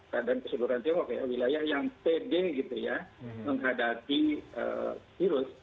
keadaan keseluruhan tiongkok ya wilayah yang pede gitu ya menghadapi virus